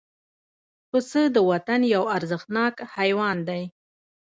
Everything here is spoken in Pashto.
پسه د وطن یو ارزښتناک حیوان دی.